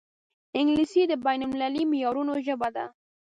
انګلیسي د بین المللي معیارونو ژبه ده